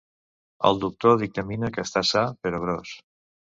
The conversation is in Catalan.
El doctor dictamina que està sa, però gros.